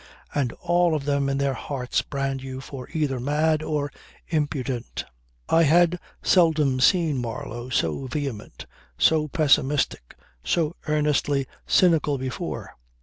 And all of them in their hearts brand you for either mad or impudent ..." I had seldom seen Marlow so vehement, so pessimistic, so earnestly cynical before.